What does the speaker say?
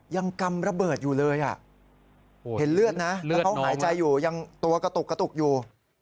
กำระเบิดอยู่เลยอ่ะเห็นเลือดนะแล้วเขาหายใจอยู่ยังตัวกระตุกกระตุกอยู่